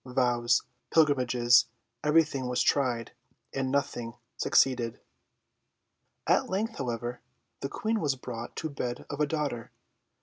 Vows, pilgrimages, everything was tried, and nothing succeeded. At length, however, the Queen was brought to bed of a daughter.